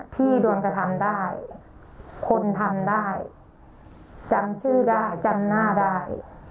ที่โดนกระทำได้คนทำได้จำชื่อได้จำหน้าได้